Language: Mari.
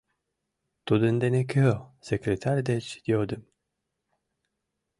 — Тудын дене кӧ? — секретарь деч йодым.